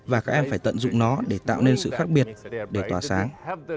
và các em phải tận dụng nó để tạo nên sự khác biệt để tỏa sáng